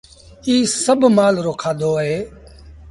ايٚ سڀ مآل رو کآڌو اهي۔